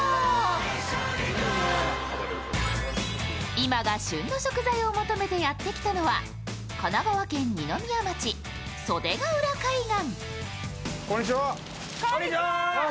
今が旬の食材を求めてやってきたのは、神奈川県二宮町袖が浦海岸。